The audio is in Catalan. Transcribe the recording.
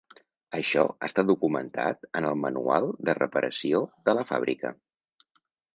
Això està documentat en el manual de reparació de la fàbrica.